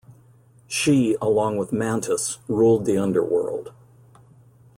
She, along with Mantus, ruled the underworld.